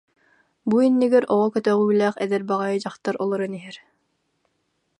Бу иннигэр оҕо көтөҕүүлээх эдэр баҕайы дьахтар олорон иһэр